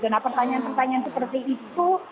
nah pertanyaan pertanyaan seperti itu